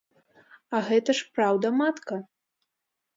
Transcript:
А гэта ж праўда-матка!